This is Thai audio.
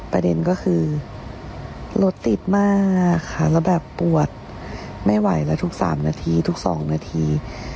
ประเด็นก็คือรถติดมากค่ะแล้วแบบปวดไม่ไหวแล้วทุก๓นาทีทุก๒นาที